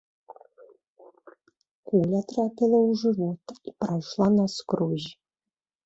Куля трапіла ў жывот і прайшла наскрозь.